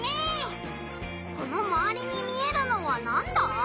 このまわりに見えるのはなんだ？